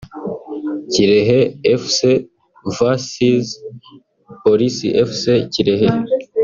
Kirehe Fc vs Police Fc (Kirehe)